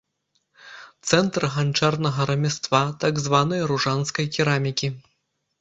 Цэнтр ганчарнага рамяства, так званай ружанскай керамікі.